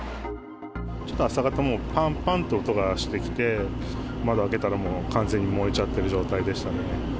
ちょっと朝方、もうぱんぱんっていう音がしてきて、窓を開けたらもう完全に燃えちゃっている状態でしたね。